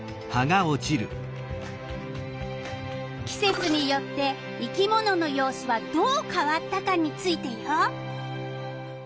季節によって生き物の様子はどう変わったかについてよ。